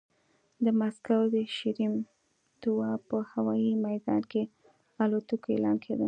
د مسکو د شېرېمېتوا په هوايي ميدان کې الوتکو اعلان کېده.